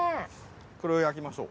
これを焼きましょう。